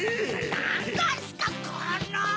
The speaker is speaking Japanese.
なんざんすかこの！